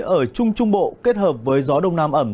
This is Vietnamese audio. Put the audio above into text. ở trung trung bộ kết hợp với gió đông nam ẩm